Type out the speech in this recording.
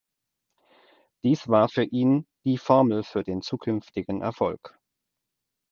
Dies war für ihn die Formel für den zukünftigen Erfolg.